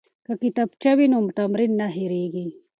که کتابچه وي نو تمرین نه هیریږي.